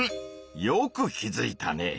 よく気づいたね。